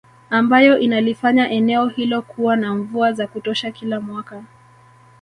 Ambayo inalifanya eneo hilo kuwa na mvua za kutosha kila mwaka